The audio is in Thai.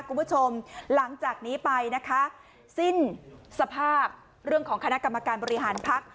คุณผู้ชมหลังจากนี้ไปนะคะสิ้นสภาพเรื่องของคณะกรรมการบริหารพัก